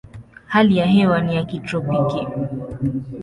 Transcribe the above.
Hali ya hewa ni ya kitropiki.